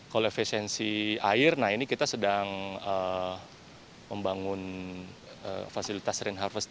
kolefisiensi air nah ini kita sedang membangun fasilitas rain harvester